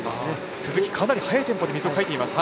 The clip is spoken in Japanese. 鈴木はかなり速いテンポでかいています。